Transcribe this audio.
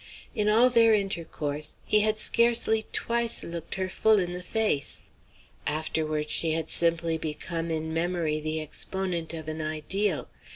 In all their intercourse he had scarcely twice looked her full in the face. Afterward she had simply become in memory the exponent of an ideal.